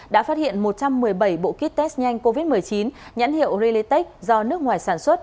đã phát hiện một trăm một mươi bảy bộ kit test nhanh covid một mươi chín nhãn hiệu ritech do nước ngoài sản xuất